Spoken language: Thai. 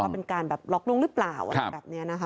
เป็นการแบบหลอกลงหรือเปล่า